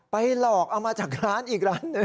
หลอกเอามาจากร้านอีกร้านหนึ่ง